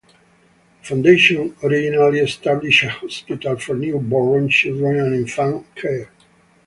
The Foundation originally established a hospital for newborn children and infant care.